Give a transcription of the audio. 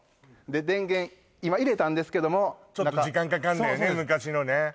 で電源今入れたんですけどもちょっと時間かかんだよね